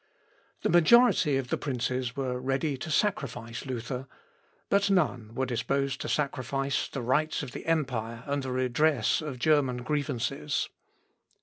] The majority of the princes were ready to sacrifice Luther, but none were disposed to sacrifice the rights of the empire and the redress of German grievances.